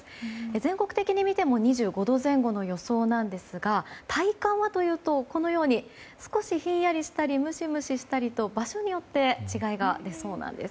全国的に見ても２５度前後の予想なんですが体感は、少しひんやりしたりムシムシしたりと場所によって違いが出そうです。